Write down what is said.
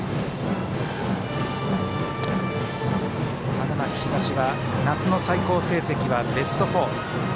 花巻東は夏の最高成績はベスト４。